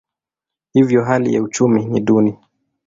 Hivyo hali ya uchumi ni duni.